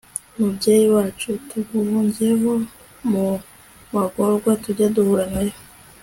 mubyeyi wacu tuguhungiyeho, mu magorwa tujya duhura nayo